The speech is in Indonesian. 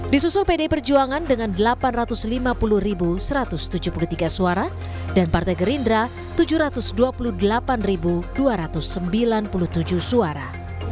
disusul pdi perjuangan dengan delapan ratus lima puluh satu ratus tujuh puluh tiga suara dan partai gerindra tujuh ratus dua puluh delapan dua ratus sembilan puluh tujuh suara